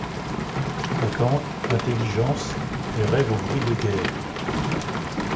Ta tente, intëlligence ! et rêve au bruit des guerres